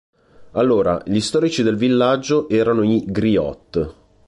Allora, gli storici del villaggio erano i griot.